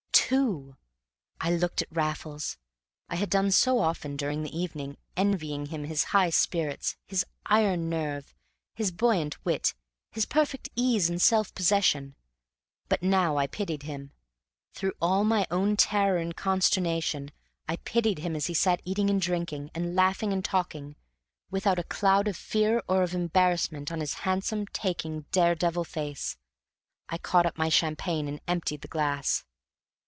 Two! I looked at Raffles. I had done so often during the evening, envying him his high spirits, his iron nerve, his buoyant wit, his perfect ease and self possession. But now I pitied him; through all my own terror and consternation, I pitied him as he sat eating and drinking, and laughing and talking, without a cloud of fear or of embarrassment on his handsome, taking, daredevil face. I caught up my champagne and emptied the glass.